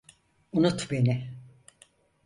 Unut beni.